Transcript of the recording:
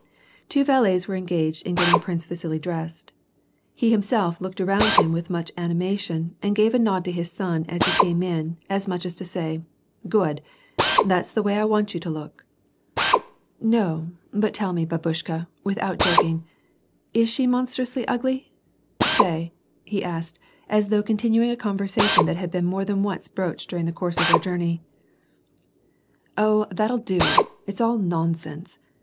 Two valets were engaged in getting Prince Vasili dressed ; he himself looked around him with much an imation, and gave a nod to his son as he came in, as much as to say, " Good, that's the way I want you to look !" ■2i)2 WAR AND PEACE. " No, but tell me, batyushka, without joking, is she mon strously ugly ?— say," he asked, as though continuing a con versation that had been more than once broached during the course of their journey. Oh, that'll do ! It's all nonsense.